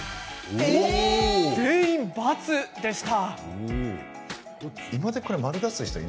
全員、×でした。